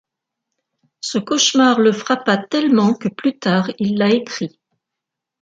Ce cauchemar le frappa tellement que plus tard il l’a écrit.